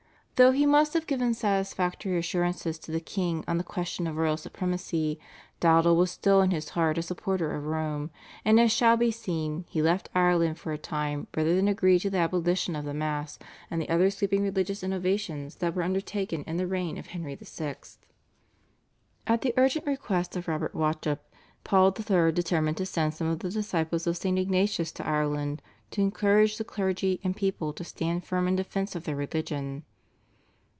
Though he must have given satisfactory assurances to the king on the question of royal supremacy, Dowdall was still in his heart a supporter of Rome, and as shall be seen, he left Ireland for a time rather than agree to the abolition of the Mass and the other sweeping religious innovations that were undertaken in the reign of Edward VI. At the urgent request of Robert Wauchope Paul III. determined to send some of the disciples of St. Ignatius to Ireland to encourage the clergy and people to stand firm in defence of their religion.